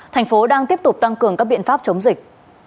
thành phố đang tiếp tục tăng cường các biện pháp chống dịch